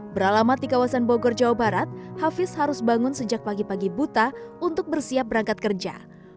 beralamat di kawasan bogor jawa barat hafiz harus bangun sejak pagi pagi buta untuk bersiap berangkat kerja